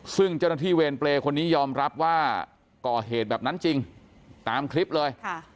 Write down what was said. ซึ่งเจ้าหน้าที่เวรเปรย์คนนี้ยอมรับว่าก่อเหตุแบบนั้นจริงตามคลิปเลย